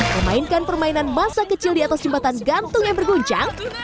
memainkan permainan masa kecil di atas jembatan gantung yang berguncang